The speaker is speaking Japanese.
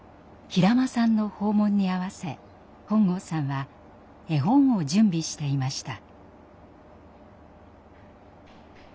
平間さんの訪問に合わせ本郷さんは絵本を準備していました。